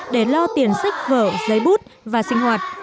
để lo tiền sách vở giấy bút và sinh hoạt